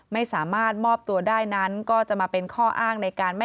ไม่สามารถมอบตัวได้นั้นก็จะมาเป็นข้ออ้าง